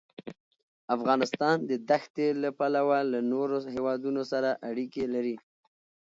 افغانستان د دښتې له پلوه له نورو هېوادونو سره اړیکې لري.